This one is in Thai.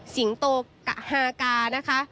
สิงโตกะฮากานะคะ